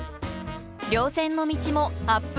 稜線の道もアップ